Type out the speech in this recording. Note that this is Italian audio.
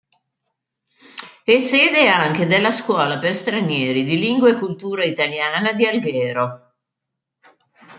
È sede anche della Scuola per stranieri di lingua e cultura italiana di Alghero.